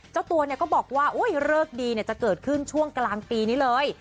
เจ้าตัวก็บอกว่าเลิกดีจะเกิดขึ้นช่วงกลางปีนี้เลย